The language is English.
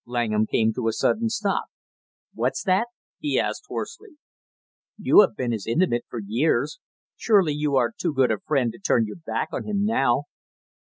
Langham came to a sudden stop. "What's that?" he asked hoarsely. "You have been his intimate for years; surely you are too good a friend to turn your back on him now!"